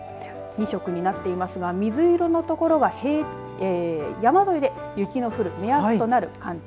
２色になっていますが水色の所は山沿いで雪の降る目安となる寒気。